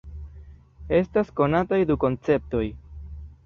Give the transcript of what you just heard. Estas konataj du konceptoj.